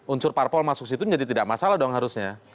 unsur parpol masuk situ jadi tidak masalah dong harusnya